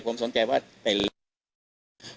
แต่ผมสนใจว่าเป็นอะไร